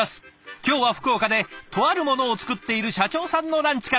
今日は福岡でとあるものを作っている社長さんのランチから。